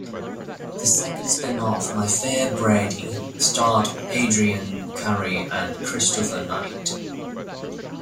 The second spin-off, "My Fair Brady", starred Adrianne Curry and Christopher Knight.